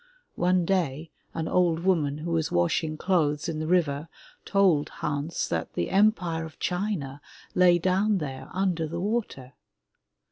One day an old woman who was washing clothes in the river told Hans that the Empire of China lay down there under the water.